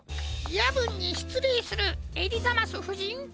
やぶんにしつれいするエリザマスふじん。